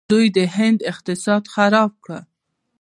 دوی د هند اقتصاد خراب کړ.